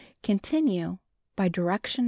Continue by direction No.